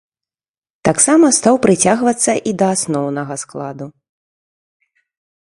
Таксама стаў прыцягвацца і да асноўнага складу.